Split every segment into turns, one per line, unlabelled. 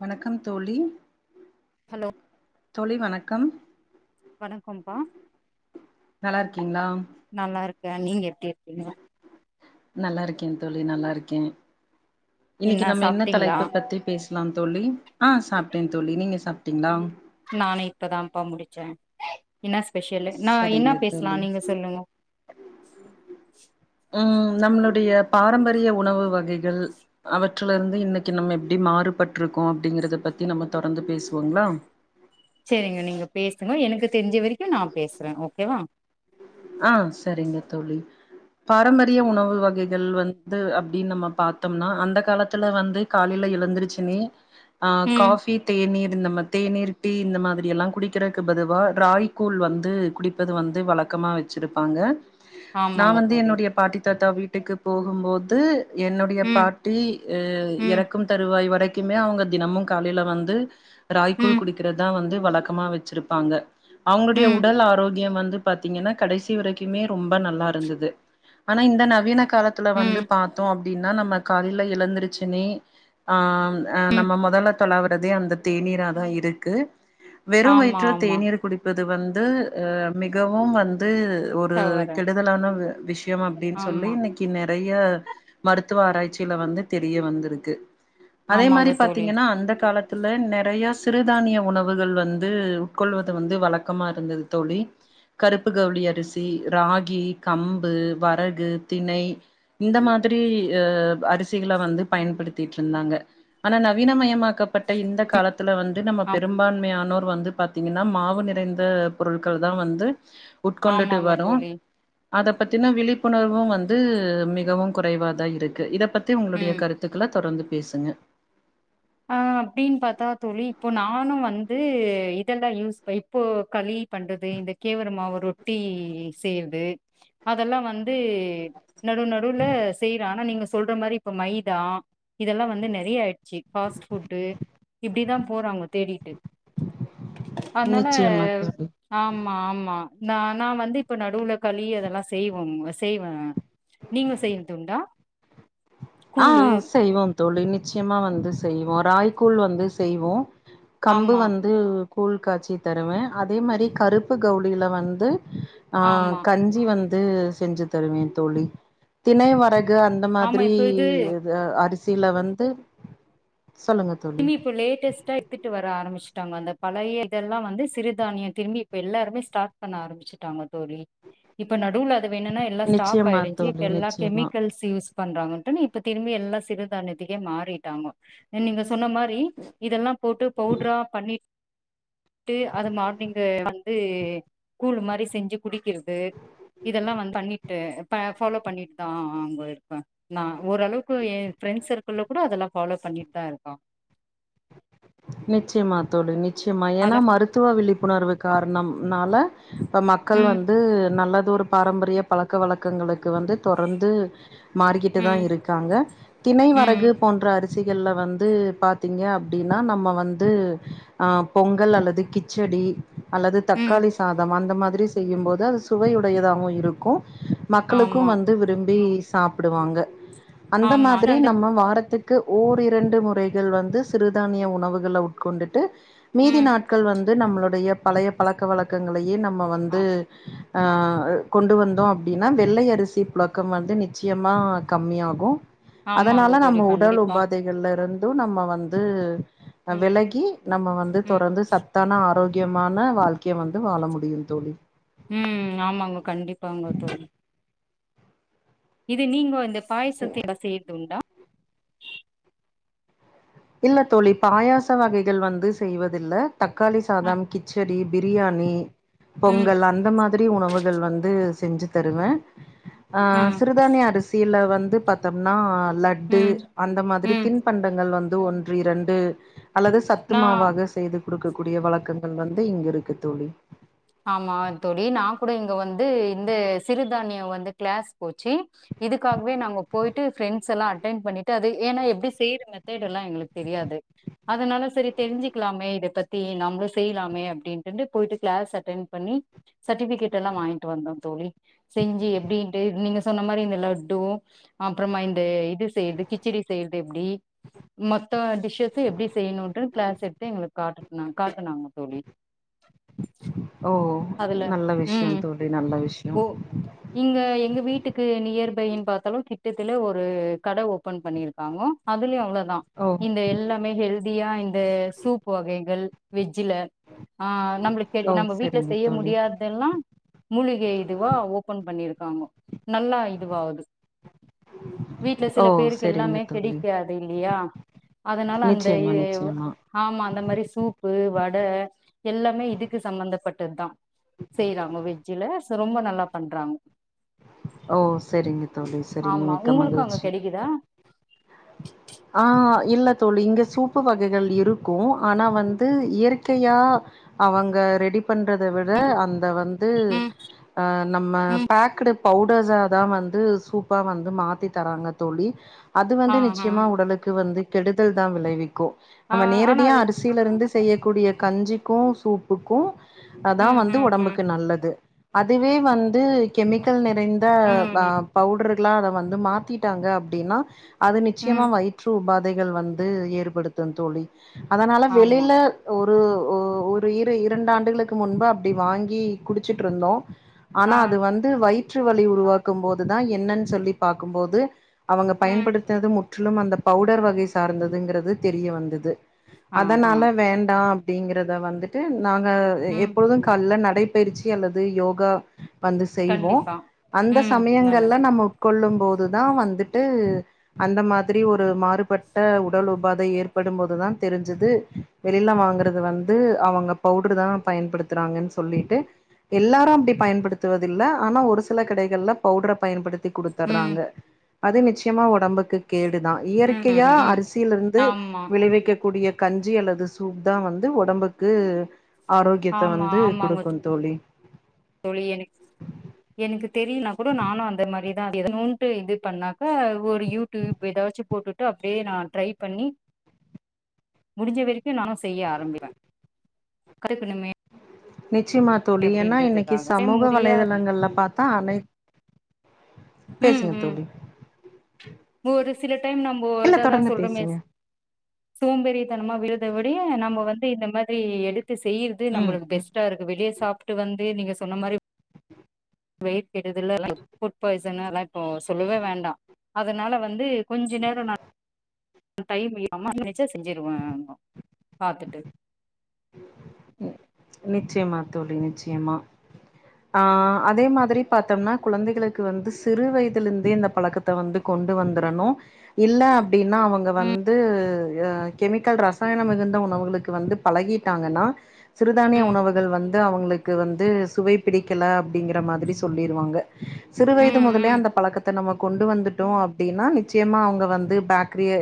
வணக்கம் தோழி
ஹலோ
தோழி வணக்கம்
வணக்கம்பா
நல்லாருக்கீங்களா
நல்லாருக்கே நீங்க எப்டி இருக்கீங்க
நல்லாருக்கே தோழி நல்லாருக்கே இன்னைக்கு நம்ம என்ன தலைப்ப பத்தி பேசலா தோழி ஆ சாப்ட்டே தோழி நீங்க சாப்ட்டீங்களா
நானு இப்பதான்ப்பா முடிச்சே என்ன ஸ்பெஷல்லு நா என்ன
சரிங்க
பேசலா
தோழி
நீங்க சொல்லுங்க
ம் நம்மளுடைய பாரம்பரிய உணவு வகைகள் அவற்றுலருந்து இன்னைக்கு நம்ம எப்டி மாறுபட்ருக்கோ அப்டிங்கறத பத்தி நம்ம தொடர்ந்து பேசுவோங்ளா
செரிங்க நீங்க பேசுங்க எனக்கு தெரிஞ்ச வரைக்கு நா பேசுறே ஓகேவா
ஆ சரிங்க தோழி பாரம்பரிய உணவு வகைகள் வந்து அப்டின் நம்ம பாத்தோம்னா அந்த காலத்துல வந்து காலைல எழுந்துரச்சுன்னே ஆ
ம்
காஃபி தேநீர் இ நம்ப தேநீர் டீ இந்த மாதிரி எல்லாம் குடிக்கிறதுக்கு பதுவா ராய்கூல் வந்து குடிப்பது வந்து வழக்கமா வச் சுருப்பாங்க நா
ஆமாங்க
வந்து
தோழி
என்னுடைய பாட்டி தாத்தா வீட்டுக்கு போகும்போது என்னுடைய
ம்
பாட் டி
ம்
இறக்கும் தருவாய் வரைக்குமே அவங்க தினமு காலைல வந்து ராய்க் கூழ்
ம்
குடிக் றதுதா வந்து வழக்கமா வச்சிருப்பாங்க அவங்களுடைய
ம்
உடல் ஆரோக்கியம் வந்து பாத்தீங்கன்னா கடைசி வரைக்குமே ரொம்ப நல்லா இருந்தது ஆனா இந்த நவீன காலத்துல வந்து
ம்
பாத்தோ அப்டின்னா நம்ம காலைல எழந்தருச்சுன்னே ஆ அ
ம்
நம்ம மொதல்ல தொளாவுறதே அந்த தேநீரதா இருக்கு வெறு
ஆமா
வயிற்ற
ஆமா
தேநீர் குடிப்பது வந்து அ மிகவும் வந்து ஒரு
தவறு
கெடுதலான விஷயம் அப்டின் சொல்லி
ஆமா
இன்னைக்கி நெறைய மருத்துவ ஆராய்ச்சியில வந்து தெரிய வந்துருக்கு அதே மாரி
ஆமாங்க தோழி
பாத்தீங்கன்னா அந்த காலத் துல நெறையா சிறுதானிய உணவுகள் வந்து உட்கொள்வது வந்து வழக்கமா இருந்தது தோழி கருப்பு கவுளி அரிசி ராகி கம்பு வரகு தினை இந்த மாதிரி அ அரிசிகள வந்து பயன்படுத்திட்ருந்தாங்க ஆனா நவீனமயமாக்கப்பட்ட இந்த காலத் த்துல வந்து நம்ம
ஆ
பெரும்பான்மையானோர் வந்து பாத்தீங்கன்னா மாவு நிறைந்த பொருட்கள்தா வந்து உட்கொண்டுட்டு
ஆமாங்க
வரோ
தோழி
அத பத்தின விழிப்புணர்வு வந்து மிகவு குறைவாதா இருக்கு இத பத்தி உங்களுடைய
ம்
கருத் த்துக்கள தொடர்ந்து பேசுங்க
அ அப்டின் பாத்தா தோழி இப்போ நானு வந்து இதெல்லா யூஸ் ப் இப்போ களி பண்றது இந்த கேவுரு மாவு ரொட்டி செய்றது அதெல்லா வந்து நடுநடுல செய்றே ஆனா நீங்க சொல்ற மாரி இப்ப மைதா இதெல்லா வந்து நெறைய ஆய்டுச்சு ஃபாஸ்ட் ஃபுட்டு இப்டிதா போறாங்க தேடிட்டு அதனால
நிச்சயமா தோழி
ஆமா ஆமா நா நா வந்து இப்ப நடுல களி அதெல்லா செய்வம் செய்வே நீங்க செய்றதுண்டா
ஆ செய்வோ தோழி நிச்சயமா வந்து செய்வோ ராகிகூழ் வந்து செய்வோ கம்பு
ஆமா
வந் து கூழ்க்காச்சி தருவே அதே மாரி கருப்பு கவுளில வந்து ஆ
ஆமா
கஞ்சி வந்து செஞ்சு தருவே தோழி தினை வரகு அந்த
ஆமா
மாதிரி
இப்ப இது
அரிசில வந்து சொல்லுங்க தோழி
[unintelligible] இப்ப லேட்டஸ்ட்டா எ டுத்துட்டு வர ஆரம்பச்சுட்டாங்க அந்த பழைய இதெல்லா வந்து சிறுதானிய திரும்பி இப்ப எல்லாருமே ஸ்டார்ட் பண்ண ஆரம்பிச்சுட்டாங்க தோழி இப்ப நடுல அது வேணுனா எல்லா ஸ்டாப்
நிச்சயமா
ஆயிடுச்சு இப்ப
தோழி
எல்லா
நிச்சயமா
கெமிக்கல்ஸ் யூஸ் பண்றாங்கனுட்டு இப்ப திரும்பி எல்லா சிறுதான்யத்துக்கே மாறிட்டாங்க நீங்க சொன்ன மா றி இதெல்லா‌ போட்டு பவுட்றா பண்ணி ட்டு அது மார்னிங்கு வந்து கூழ் மாரி செஞ்சு குடிக்கிறது இதெல்லா வன் பண்ணிட்டு ப ஃபாலோ பண்ணிட்டுதாங்க இருப்ப நா ஓரளவுக்கு என் ஃப்ரெண்ட் மா ஓரளவுக்கு ஏன் ஃபிரென்ஸ் சர்க்குள்ல கூட அதெல்லா ஃபாலோ பண்ணிட்தா இருக்கோ
நிச்சியமா தோழி நிச்சியமா ஏனா
அத
மருத்துவ விழிப்புணர்வு கார்ணம்னால இப்ப மக்கள்
ம்
வந்து நல்லதொரு பாரம்பரிய பழக்க வழக்கங்களுக்கு வந்து தொடர்ந்து மாறிக்கிட்டுதா
ம்
இருக்காங்க தினை
ம்
வரகு போன்ற அரிசிகள்ல வந்து பாத்தீங்க அப்டி னா நம்ம வந்து பொங்கல் ஆ அல்லது கிச்சடி அல்லது
ம்
தக்காளி சாதம் அந்த மாதிரி செய்யும்போது அது சுவையுடையதாவு இருக்கு மக்களுக்கு
ஆமா
வந்து விரும்பி சாப்புடுவாங்க அந்த
ஆமா
மாதிரி
அந்த
நம்ம வாரத்து க்கு ஓர் இரண்டு முறைகள் வந்து சிறுதானிய உணவுகள்ல உட்கொண்டுட்டு மீதி
ம்
நாட் கள் வந்து நம்மளுடைய பழைய பழக்க வழக்கங்களையு நம்ம
ஆ
வந்து ஆ கொண்டு வந்தோ அப்டினா வெள்ளை அரிசி புழக்கம் வந்து நிச்சியமா கம்மியாகு
ஆமாங்க
அதனால
தோழி
நம்ம உடல்
கண்டிப்பா
உபாதை கள்ல இருந்து நம்ம வந்து அ
ம்
வெலகி நம்ம வந்து
ம்
தொடர்ந்து சத் தான ஆரோக்கியமான வாழ்க்கைய வந்து வாழ முடியு தோழி
ம் ஆமாங்க கண்டிப்பாங்க தோழி இது நீங்கோ இந்த பாய்சத்தே எதா செய்யற்துண்டா
இல்ல தோழி பாயாச வகைகள் வந்து செய்வதில்ல தக்காளி
அ
சாதம் கிச்சடி பிரியாணி
ம்
பொங்கல் அந்த மாதிரி உணவுகள் வந்து செஞ்சு தருவ ஆ சிறுதானிய அரிசில வந்து பாத்தம்னா லட்டு
ம்
அந்த மாதிரி
ம்
தின்பண்டங்கள் வந்து ஒன்று இரண்டு அல்லது
நா
சத்துமாவாக செய்து குடுக்கக்கூடிய வழக்கங்கள் வந்து இங்க இருக்கு தோழி
ஆமா தோழி நா கூட இங்க வந்து இந்த சிறுதானியோ வந்து கிளாஸ் போச்சு இதுக்காகவே நாங்க போய்ட்டு ஃபிரெண்ஸ் எல்லா அட்டன்் பண்ணிட்டு அது ஏனா எப்டி செய்ற மெத்தேடெல்லா எங்ளுக் தெரியாது அதனால சேரி தெரிஞ்சுக்குலாமே இத பத்தி நம்ளு செய்லாமே அப்டின்ட்டுடு போய்ட்டு கிளாஸ் அட் டன் பண்ணி சட்டிஃபிகேடெல்லா வாங்கிட்டு வந்தோ தோழி செஞ்சு எப்டின்ட்டு நீங்க சொன்ன மாரி இந்த லட்டு அப்றமா இந்த இது செய்யற்து கிச்சடி செய்யற்து எப்டி மத்த டிஷ்ஷஸ்ஸு எப்டி செய்யணூன்ட்டு கிளாஸ் எடுத்து எங்ளுக் காட்டு சொன்னாங் காட்டுனாங்க தோழி
ஓ
அதுல
நல்ல விஷ்யோ
ம்
தோழி நல்ல விஷ்யோ
ஓ இங்க எங்க வீட்டுக்கு நியர் பையின் பாத்தாலு கிட்டத்துல ஒரு கட ஓபன் பண்ணிருக்காங்கோ அதுல்யு அவ்ளோதா
ஓ
இந்த எல்லாமே ஹெல்தியா இந்த சூப் வகைகள் வெஜ்ஜுல ஆ நம்ளுக்கெது
ஓ
நம்ம வீட்ல
சரிங்க
செய்ய
தோழி
முடியாத அதெல்லா மூலிகை இதுவா ஓபன் பண்ணிருக்காங்கோ நல்லா இதுவாவுது
[inaudible]
வீட்ல
ஓ
சில பேருக்கு
சரிங்க
எல்லாமே
தோழி
கிடைக்காது இல்லையா அதுனால அந்த
நிச்சயமா
இதே வா
நிச்சயமா
ஆமா அந்த மாரி சூப்பு வட எல்லாமே இதுக்கு சம்பந்த பட் டுதா செய்றாங்க வெஜ்ஜுல ஸ ரொம்ப நல்லா பண்றாங்
ஓ செரிங்க தோழி செரிங்க
ஆமா
மிக்க
உங்களுக்கு அங்க
மகிழ்ச்சி
கெடைக்குதா
ஆ இல்ல தோழி இங்க சூப்பு வகைகள் இருக்கு ஆனா வந்து இயற்கையா அவங்க ரெடி பண்றத விட அந்த வந் து
ம்
அ நம்ம
ம்
பேக்குடு பவுடர்ஸாதா வந்து சூப் பா வந்து மாத்தி தராங்க தோழி அது
ஆ
வந்து நிச்
ஆ
உடலுக்கு வந்து கெடுதல்தா விளைவிக்கு
ஆ
நம்ம
ஆனா
நேரடியா
அது
அடுஸ் சியில இருந்து செய்யக்கூடிய கஞ்சிக்கு சூப்புக்கு அதா
ம்
வந்து
ம் ம்
ஒடம்புக்கு நல்லது அதுவே வந்து கெமிக்கல் நி றைந்த
ம்
ஆ
ம்
பவுட்ருகளா அத வந்து மாத்திட்டாங்க அப்டின்னா அது நிச்சயமா
ம்
வயி ற்று உபாதைகள் வந்து ஏற்படுத்து தோழி அதனால
ஆமா
வெளில ஒரு ஒரு இரு இரண்டு ஆண்டுகளுக்கு முன்பு அப்டி வாங்கி குடிச்சிட்டு இருந்தோ ஆனா
ஆ
அது வந்து வயிற்று வலி உருவாக்கும் போதுதா என்னன்னு சொல்லி பாக்கும்போது அவங்க
ம்
பயன்படுத்தினது முற்றிலும் அந்த பவுடர் வகை சார்ந்ததுங்கிறது தெரிய வந்தது
ஆ ஆ
அதனால வேண்டா அப்டிங்கிறத வந்துட்டு நாங்க
ம்
எப்பொழுது கால்ல நடை பயிற்சி அல்லது யோகா வந்து செய்வோ
கண்டிப்பா
அந்த
ம்
சமயங்கள்ல
நல்லது
நம்ம கொள்ளும் போதுதா வந்துட்டு அந்த மாதி ரி ஒரு மாறுபட்ட உடல் உபாதை ஏற்படும் போதுதா தெரிஞ்சது வெளில வாங்குறது வந் து அவங்க பவுடருதா பயன்படுத்துறாங்கன்னு சொல்லிட்டு எல்லாரு அப்டி பயன்படுத்துவதில்ல ஆனா ஒரு சில கடைகள்ல பவுடரை பயன்படுத் தி
ம்
குடுத்துர்றாங்க அது நிச்சயமா ஒடம்புக்கு கேடுதா
ம் ம்
இயற்கையா
ம்
அரசியிலிருந்து
ஆமா
விளைவிக்கக்கூடிய கஞ்சி அல்லது சூப்தா வந்து ஒடம்புக்கு ஆரோக்கியத்தை
ஆமா
வந்து
ஆமாங்க
குடுக்கு தோழி
தோழி என் எனக்கு தெரியுன்னா கூட நானு அந்த மாரிதா இத்துனூன்ட்டு இது பண்ணாக்கா ஒரு யூ டியூப் ஏதாச்சு போட்டுட்டு அப்டியே நா ட்ரை பண்ணி
[inaudible]
முடிஞ்ச வரைக்கு நானு செய்ய ஆரம்பிப்பே கத்துக்கணுமே
நிச்சயமா தோழி ஏன்னா இன்னக்கி
அப்டின்றதுக்காக
சமூக
முடியா
வலைதளங்கள்ல பாத் தா அனைத்
ம்
பேசுங்க
ம்
தோழி
ஒரு சில டைம் நம்ம
இல்ல
இதாதா
தொடர்ந்து
சொல்றோமே
பேசுங்க
சோம்பேறித்தனமா விடுறத விடயு நம்ம வந்து இந்த மாதிரி எடுத்து செய்யறது
ம்
நம்மளுக்கு
ம்
பெஸ் ட்டா இருக்கு வெளிய சாப்டு வந்து நீங்க சொன்ன மாரி வெயிட் கெட்டதில்ல அதலா ஃபுட் பாய்சனு அதெல்லா இப்போ சொல்லவே வேண்டா அதனால வந்து கொஞ்ச நேரோ நா டைம் இருந்தா அம்மா நெனச்சா செஞ்சுருவே பாத்துட்டு
நிச்சயமா தோழி நிச்சயமா ஆ அதே மாதிரி பாத்தம்னா குழந்தைகளுக்கு வந்து சிறு வயதில இருந்தே இந்த பழக்கத் த வந்து கொண்டு வந்துரணு இல்ல அப்டின்னா அவங்க
ம்
வந்து கெமிக்கல் ரசாயனம் மிகுந்த உணவுகளுக்கு வந்து பழகிட்டாங்கன்னா சிறுதானிய
ம்
உணவுகள் வந்து அவங்களுக்கு வந்து சுவை பிடிக்கல அப்டிங்கிற மாதிரி சொல்லிருவாங்க சிறு வயது
ம்
முதலே
ம்
அந்த பழக்கத்த நம்ம கொண்டு வந்துட் டோ அப்டின்னா நிச்சயமா அவங்க வந்து பேக்ரிய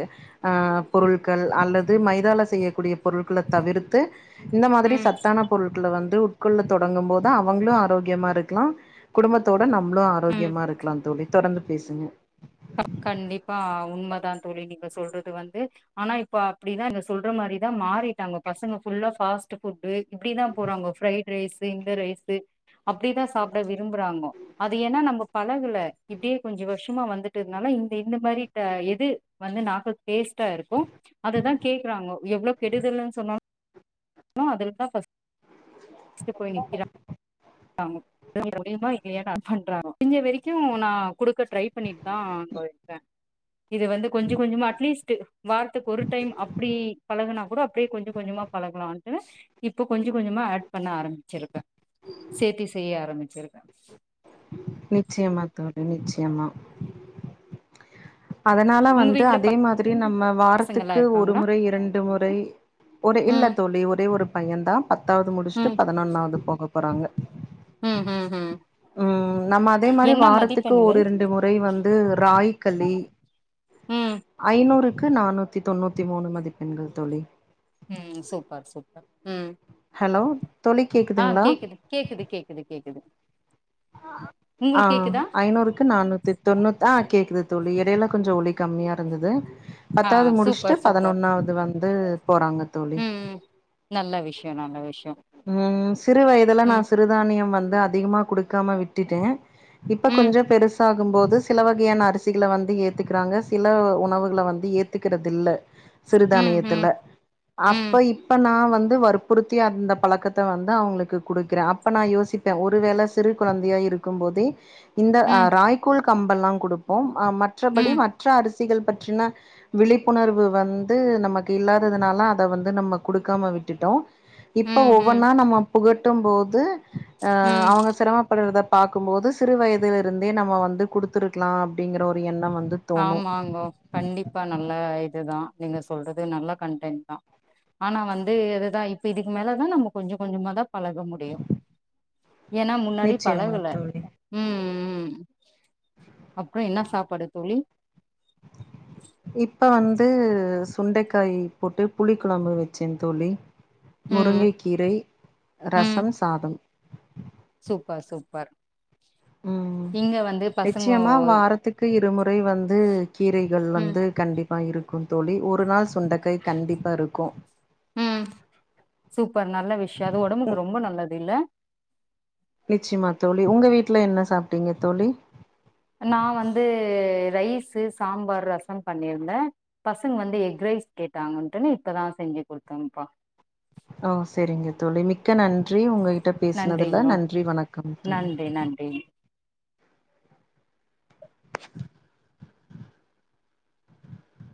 ஆ பொருட்கள் அல்லது மைதால செய்யக்கூடிய பொருட்கள தவிர்த்து இந்த மாதிரி
ம்
சத்தான பொருட்கள வந்து உட்கொள்ள தொடங்கு போது அவங்களு ஆரோக்கியமா இருக்கலா குடும்பத்தோட நம்மளு
ம்
ஆரோக்கியமா இருக்கலா தோழி தொடர்ந்து பேசுங்க
கண்டிப்பா உண்மதா தோழி நீங்க சொல்றது வந்து ஆனா இப்ப அப்டிதா இங்க சொல்ற மாரிதா மாறிட்டாங்க பசங்க புல்லா ஃபாஸ்ட் ஃபுட்டு இப்டிதா போறாங்க ஃப்ரைட் ரைஸு இந்த ரைஸு அப்டிதா சாப்ட விரும்புறாங்க அது ஏன்னா நம்ம பழகல இப்டியே கொஞ்ச வருஷமா வந்துட் டதுனால இந்த இந்த மாரி எது வந்து நாக்குக்கு டேஸ்ட்டா இருக்கு அததா கேக்குறாங்கோ எவ்ளோ கெடுதல்னு சொன்ன அததா ஃப [unintelligible] ஸ்ட்டு போய் நிக்கிறாங்
[inaudible]
[inaudible] பண்றாரா இங்க வரைக்கு நா குடுக்க ட்ரை பண்ணிட்டு தா அங்க வந்து வப்பே இது வந்து கொஞ்ச கொஞ்சமா அட்லீஸ்ட் வார்த்தக்கு ஒரு டைம் அப்டி பழகுனா கூட அப்டியே கொஞ்சோ கொஞ்சமா பழகலான்ட்டு இப்ப கொஞ்ச கொஞ்சமா ஆட் பண்ண ஆரம்பிச்சிருக்கே சேத்தி செய்ய ஆரம்பிச்சிருக்கே
நிச்சயமா தோழி நிச்சயமா அதனால
உங்க
வந்து
வீட்ல
அதே மாரி நம்ம
பசங்கல்லா
வாரத்துக்கு ஒரு
இருக்காங்களா
முறை இரண்டு முறை ஒரே இல்ல
ம்
தோழி ஒரே ஒரு பையன் தா பத்தாவது
ம்
முடிச்சுட்டு பதினொன்னாவது போக போறாங்க
உம் உம் உம்
உம் நம்ம அதே மாரி வாரத்துக்கு ஒரு ரெண்டு முறை வந்து ராகி களி
ம்
ஐநூறுக்கு நானூத்தி தொன்னூத்தி மூணு மதிப்பெண்கள் தோழி
உம் சூப்பர் சூப்பர் உம்
ஹலோ தோழி கேக்குதுங்ளா
கேக்குது கேக்குது கேக்குது
ஆ
உங்களுக்கு கேக்குதா
ஐநூறுக்கு நானூத்தி தொண்ணூத் ஆ கேக்குது தோழி இடையெல்லா கொஞ்சோ ஒளி கம்மியா இருந்தது
ஆ
பத்தாவது முடிச்சுட்டு
சூப்பர் சூப்பர்
பதினொன்னாவது வந்து போறாங்க தோழி
ம் ம் நல்ல விஷயோ நல்ல விஷயோ
உம் சிறு வயதுல நா
ம்
சிறுதானியம் வந்து அதிகமா குடுக்காம விட்டுட்டே இப்ப
ம்
கொஞ்சோ பெருசாகும் போது சில வகையான அரிசிகள வந்து ஏத்துக்கிறாங்க சில உணவுகள வந்து ஏத்து கிறது இல்ல
ம், ம்,
சிறுதானியத்துல அப்ப
ம்,
இப்ப நா வந்து வற்புறுத்தி அந்த பழக்கத்த வந்து அவுங்களுக்கு குடுக்குற அப்ப நா யோசிப்ப ஒருவேள சிறு கொழந்தையா இருக்கு போது இந்த அ
ம்,
ராகி கூழ் கம்பெல்லா குடுப்போ அ மற்றபடி
ம்,
மற்ற அரிசிகள் பற்றின விழிப்புணர்வு வந்து நமக்கு இல்லாததுனால அத வந்து நம்ம குடுக்காம விட்டுட்டோ இப்ப
ம், ம்,
ஒவ்வொன்னா நம்ம புகட்டு போது அ
ம்.
அவங்க சிரமப்படுறத பாக்கும்போது சிறு வயதுல இருந்தே நம்ம வந்து குடுத்துருக்கலா அப்டிங்கிற ஒரு எண்ணம் வந்து தோணு
ஆமாங்கோ கண்டிப்பா நல்ல இதுதா நீங்க சொல்றது நல்ல கன்டென்ட் தா ஆனா வந்து இதுதா இப்ப இதுக்கு மேலதா நம்ம கொஞ்ச கொஞ்சமா தா பழக முடியும் ஏன்னா முன்னாடி
நிச்சயமா
பழகல
தோழி
உம் உம் அப்ப என்ன சாப்பாடு தோழி
இப்ப வந்து சுண்டக்காய் போட்டு புளி குழம்பு வச்சே தோழி
ம்,
முருங்கைக்கீரை
ம்.
ரசம் சாதம்
சூப்பர் சூப்பர்
ம்
இங்க வந்து பசங்கோ
கு இருமுறை வந்து கீரைகள்
ம்,
வந்து கண்டிப்பா இருக்கும் தோழி ஒரு நாள் சுண்டக் கண்டிப்பா இருக்கூ
ம் சூப்பர் நல்ல விஷ்யோ அது ஒடம்புக்கு ரொம்ப நல்லது இல்ல
நிச்சியமா தோழி உங்க வீட்ல என்ன சாப்ட்டீங்க தோழி
நா வந்து ரைஸு சாம்பார் ரசம் பண்ணியிருந்தே பசங்க வந்து எக் ரைஸ் கேட்டாங்கன்ட்டுன்னு இப்பதா செஞ்சு குடுத்தேம்ப்பா
அ சரிங்க தோழி மிக்க நன்றி உங்ககிட்ட பேசுனதுல
நன்றிங்கோ
நன்றி வணக்கம் தோழி
நன்றி நன்றி